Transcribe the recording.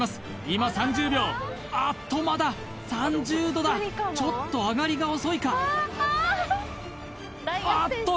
今３０秒あっとまだ３０℃だちょっと上がりが遅いかあっと